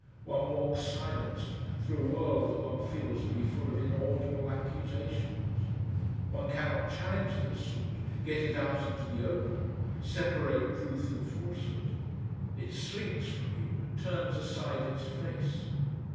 One walks silenced through a world that one feels to be full of inaudible accusations. One cannot challenge the assault, get it out into the open, separate truth and falsehood. It slinks from you, turns aside its face.